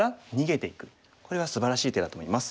これはすばらしい手だと思います。